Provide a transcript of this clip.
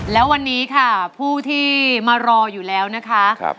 แล้ววันนี้ค่ะผู้ที่มารออยู่แล้วนะคะ